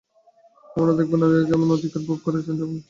আমরা দেখব, নারীরা তেমন অধিকারই ভোগ করছেন, যেমন ভোগ করছেন একজন পুরুষ।